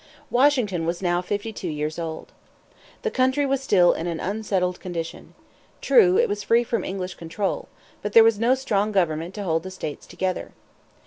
Washington was now fifty two years old. The country was still in an unsettled condition. True, it was free from English control. But there was no strong government to hold the states together.